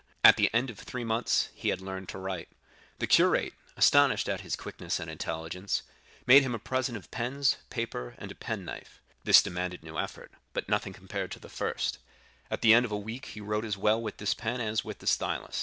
At the end of three months he had learned to write. The curate, astonished at his quickness and intelligence, made him a present of pens, paper, and a penknife. This demanded new effort, but nothing compared to the first; at the end of a week he wrote as well with this pen as with the stylus.